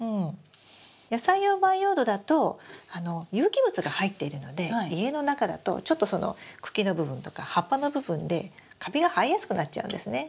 野菜用培養土だと有機物が入っているので家の中だとちょっとその茎の部分とか葉っぱの部分でカビが生えやすくなっちゃうんですね。